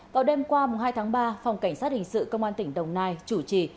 vào đêm qua hai tháng ba phòng cảnh sát hình sự công an tỉnh đồng nai chủ trì